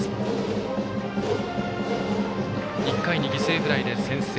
１回に犠牲フライで先制。